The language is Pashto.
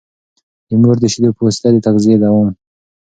د مور د شېدو په وسيله د تغذيې دوام